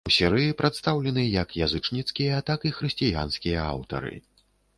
У серыі прадстаўлены як язычніцкія, так і хрысціянскія аўтары.